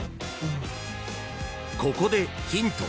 ［ここでヒント］